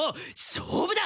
勝負だ！